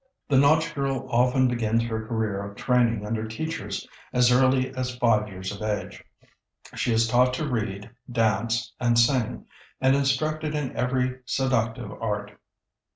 The nautch girl often begins her career of training under teachers as early as five years of age. She is taught to read, dance, and sing, and instructed in every seductive art.